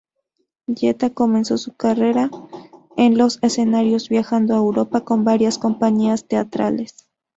Jetta comenzó su carrera en los escenarios viajado a Europa con varias compañías teatrales.